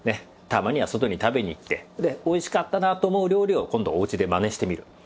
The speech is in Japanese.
たまには外に食べに行ってでおいしかったなと思う料理を今度おうちでまねしてみる。